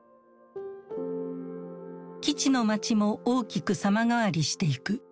基地の街も大きく様変わりしていく。